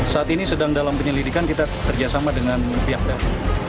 saat ini sedang dalam penyelidikan kita kerjasama dengan pihak daerah